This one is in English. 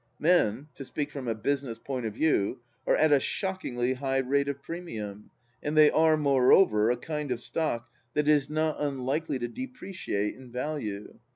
Men, to speak from a business point of view, are at a shockingly high rate of premium, and they are, moreover, a kind of stock that is not unlikely to depre ciate in value.